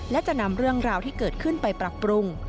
และจะนำเรื่องราวที่เกิดขึ้นไปปรับปรุง